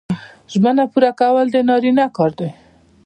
ژمنه پوره کول د نارینه کار دی